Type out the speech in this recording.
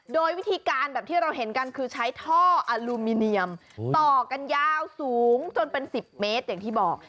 โดยวิธีการแบบที่เราเห็นกันคือใช้ท่ออลูมิเนียมต่อกันยาวสูงจนเป็น๑๐เมตรอย่างที่บอก